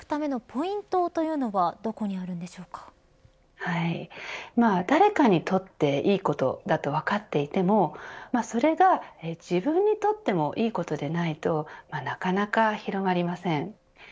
この空気製水機を広げていくためのポイントは誰かにとっていいことだと分かっていてもそれが自分にとってもいいことでないとなかなか広まりません。